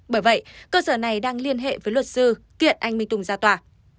bởi vậy cơ sở này đang liên hệ với luật sư kiện anh minh tùng ra tòa